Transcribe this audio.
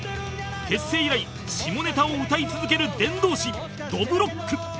結成以来下ネタを歌い続ける伝道師どぶろっく